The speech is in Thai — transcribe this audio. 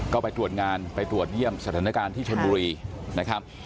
ก็ไปตรวจงานไปตรวจเยี่ยมสถานการณ์ที่ชนบุรีนะครับ